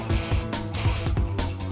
gak ada apa apa